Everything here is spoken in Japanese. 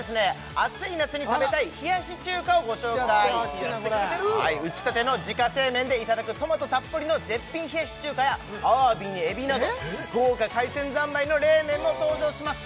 暑い夏に食べたい冷やし中華をご紹介うちたての自家製麺でいただくトマトたっぷりの絶品冷やし中華やあわびにエビなど豪華海鮮ざんまいの冷麺も登場します